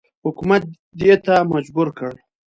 حکومت دې ته مجبور کړ.